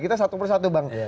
kita satu persatu bang